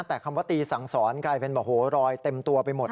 แต่คำว่าตีสั่งสอนกลายเป็นรอยเต็มตัวไปหมด